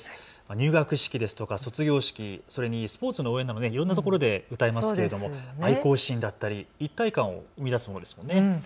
入学式ですとか卒業式、それにスポーツの応援などいろんなところで歌いますけれど愛校心だったり一体感を生み出すものですよね。